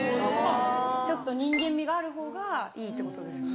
ちょっと人間味がある方がいいってことですよね。